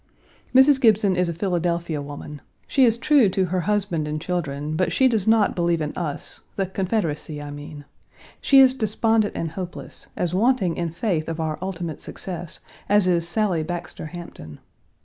Mrs. Gibson is a Philadelphia woman. She is true to her husband and children, but she does not believe in us the Confederacy, I mean. She is despondent and hopeless; as wanting in faith of our ultimate success as is Sally Baxter Hampton.